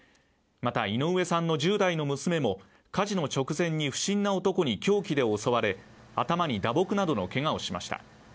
また、井上さんの１０代の娘も火事の直前に不審な男で凶器で襲われ、頭に打撲などのけがをしました。